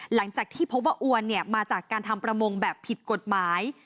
หลังจากที่พบว่าอวนมาจากการทำประมงแบบผิดกฎหมาย